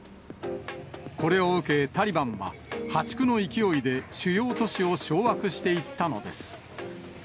これを受けタリバンは、破竹の勢いで主要都市を掌握していったのです。